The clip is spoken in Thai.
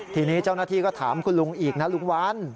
ทีนี้เจ้าหน้าที่ก็ถามคุณลุงอีกนะลุงวัน